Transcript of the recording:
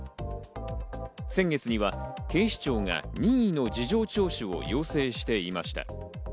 先月には警視庁が任意の事情聴取を要請していました。